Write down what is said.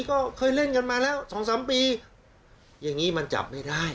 ก็เคยเล่นกันมาแล้วสองสามปีอย่างนี้มันจับไม่ได้